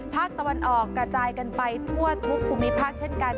ภาคตะวันออกกระจายกันไปทั่วทุกภูมิภาคเช่นกัน